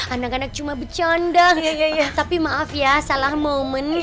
anak anak cuma bercanda ya tapi maaf ya salah momen to aww tepat banget ini ih